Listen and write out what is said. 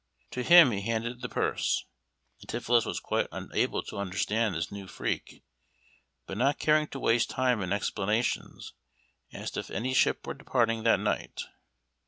To him he handed the purse. Antipholus was quite unable to understand this new freak, but not caring to waste time in explanations, asked if any ship were departing that night.